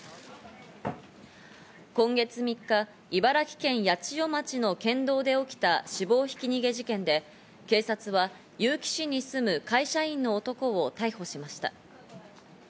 今月３日、茨城県八千代町の県道で起きた死亡ひき逃げ事件で警察は結城市に住む、会社員の男を逮捕しました。